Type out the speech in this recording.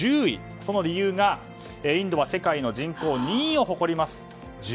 その理由がインドは世界の人口２位を誇ります。